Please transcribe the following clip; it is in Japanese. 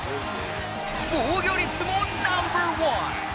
防御率もナンバーワン！